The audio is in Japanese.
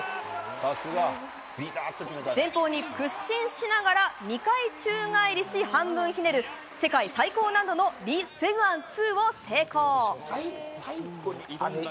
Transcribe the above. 前方に屈伸しながら２回宙返りし半分ひねる、世界最高難度のリ・セグァン２を成功。